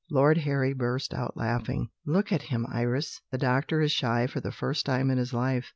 Lord Harry burst out laughing: "Look at him Iris! The doctor is shy for the first time in his life."